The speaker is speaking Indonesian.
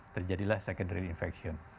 terjadilah secondary infection